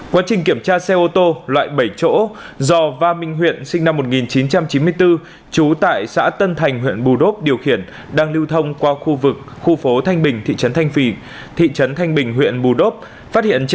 quá trình kiểm tra xe ô tô loại bảy chỗ do va minh huyện sinh năm một nghìn chín trăm chín mươi bốn trú tại xã tân thành huyện bù đốp điều khiển đang lưu thông qua khu vực khu phố thanh bình thị trấn thanh phì thị trấn thanh bình huyện bù đốp